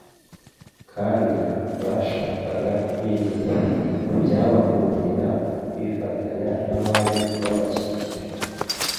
kandi bashakaga kwirinda ibyabakururira kwifatanya n’abari babakikije,